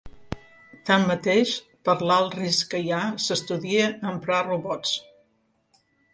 Tanmateix per l'alt risc que hi ha s'estudia emprar robots.